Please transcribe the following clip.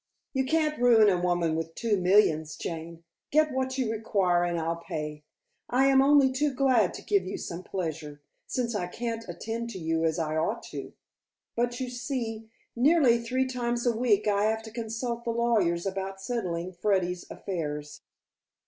"You can't ruin a woman with two millions, Jane. Get what you require and I'll pay. I am only too glad to give you some pleasure, since I can't attend to you as I ought to. But you see, nearly three times a week I have to consult the lawyers about settling Freddy's affairs."